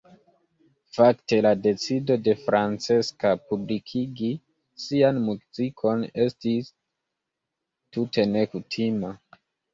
Fakte la decido de Francesca publikigi sian muzikon estis tute nekutima.